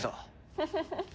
フフフッ。